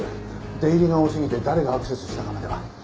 出入りが多すぎて誰がアクセスしたかまでは。